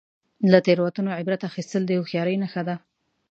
• له تیروتنو عبرت اخیستل د هوښیارۍ نښه ده.